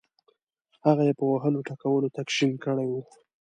هغه یې په وهلو ټکولو تک شین کړی وو.